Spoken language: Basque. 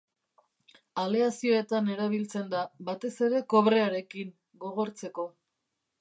Aleazioetan erabiltzen da, batez ere kobrearekin, gogortzeko.